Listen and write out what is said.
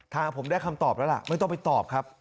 ทางผมได้คำตอบแล้วล่ะไม่ต้องไปตอบครับ